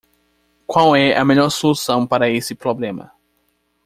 Qual é a melhor solução para esse problema?